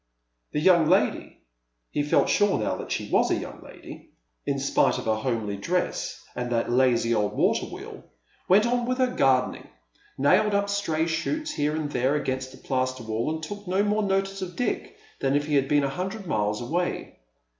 The young lady — he felt sure now that she was a young lady, Alexis Comes to Gnef. 225 in spite of her homely dresa and that laz^'old •wator wheel — went on with her gardeninsr, nailed np stray shocrts here and there •gainst the plaster wall, and took no more notice of Dick than if he had been a hundred miles away.